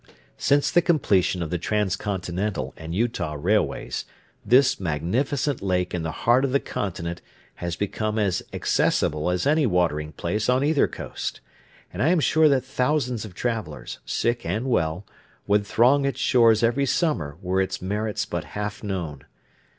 Since the completion of the transcontinental and Utah railways, this magnificent lake in the heart of the continent has become as accessible as any watering place on either coast; and I am sure that thousands of travelers, sick and well, would throng its shores every summer were its merits but half known.